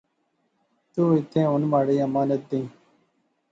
تو ایتھیں ہن مہاڑی امانت دئیں